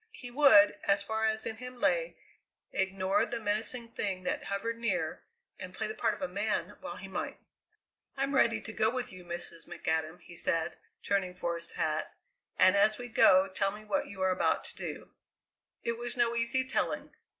He would, as far as in him lay, ignore the menacing thing that hovered near, and play the part of a man while he might. "I'm ready to go with you, Mrs. McAdam," he said, turning for his hat, "and as we go tell me what you are about to do." It was no easy telling.